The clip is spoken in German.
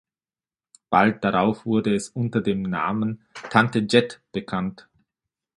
Bald darauf wurde es unter dem Namen „Tante Jet“ bekannt.